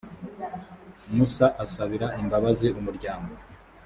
musa asabira imbabazi umuryango.